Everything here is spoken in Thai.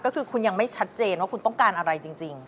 ก็คือคุณยังไม่ชัดเจนว่าคุณต้องการอะไรจริง